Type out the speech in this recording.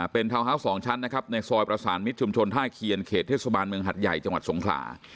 เป็นทาวน์ฮาวส์๒ชั้นนะครับในซอยประสานมิตรชุมชนท่าเคียนเขตเทศบาลเมืองหัดใหญ่จังหวัดสงขลา